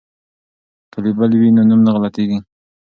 که لیبل وي نو نوم نه غلطیږي.